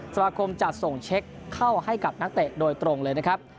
สมาคมจะส่งเช็คเข้าให้กับนักเตะโดยตรงเลยนะครับ